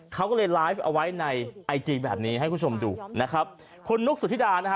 เขาก็เลยไลฟ์เอาไว้ในไอจีแบบนี้ให้คุณผู้ชมดูนะครับคุณนุ๊กสุธิดานะฮะ